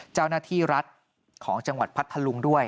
เจ้าหน้าที่รัฐของจังหวัดพัทธลุงด้วย